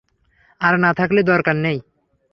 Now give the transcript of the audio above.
আর না থাকলে দরকার নেই।